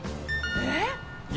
えっ！